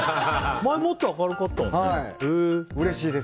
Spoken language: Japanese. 前もっと明るかったもんね。